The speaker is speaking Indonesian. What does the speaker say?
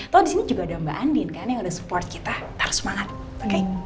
tau disini juga ada mbak andin kan yang udah support kita harus semangat